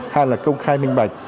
hai là công khai minh bạch